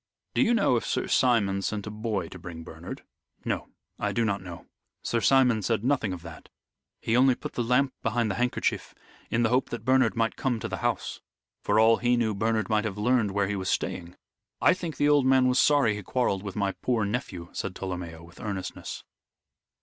"Do you know if Sir Simon sent a boy to bring Bernard?" "No. I do not know. Sir Simon said nothing of that. He only put the lamp behind the handkerchief in the hope that Bernard might come to the house. For all he knew Bernard might have learned where he was staying. I think the old man was sorry he quarrelled with my poor nephew," said Tolomeo, with earnestness.